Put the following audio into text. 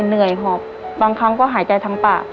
เหนื่อยหอบบางครั้งก็หายใจทั้งปาก